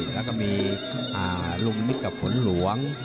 แล้วก็มีลุงนิดกับฝนหลวง